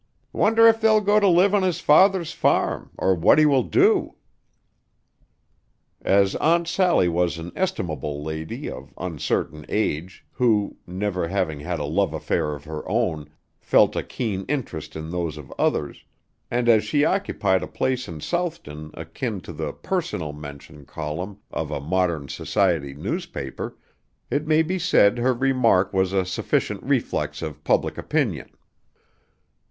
Wonder if they'll go to live on his father's farm, or what he will do?" As Aunt Sally was an estimable lady of uncertain age, who, never having had a love affair of her own, felt a keen interest in those of others, and as she occupied a place in Southton akin to the "personal mention" column of a modern society newspaper, it may be said her remark was a sufficient reflex of public opinion.